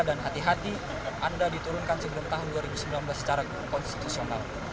dan hati hati anda diturunkan sebelum tahun dua ribu sembilan belas secara konstitusional